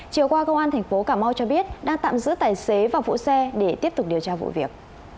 chiều qua công an tp cà mau cho biết đang tạm giữ tài xế và vũ xe để tiếp tục điều tra vụ việc